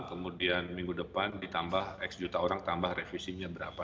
kemudian minggu depan ditambah x juta orang tambah revisinya berapa